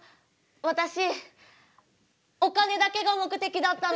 私お金だけが目的だったの。